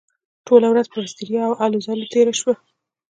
ټوله ورځ پر ستړیا او هلو ځلو تېره شوه